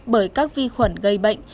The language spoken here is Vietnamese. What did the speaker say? bởi các vi khuẩn gây bệnh